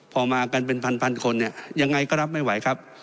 พอมากันเป็นพันคนเนี่ยยังไงก็รับไม่ไหวครับ